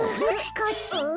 こっち？